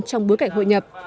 trong bối cảnh hội nhập